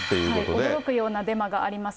驚くようなデマがあります。